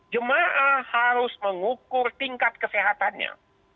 jemaah harus mengukur tingkat kesehatannya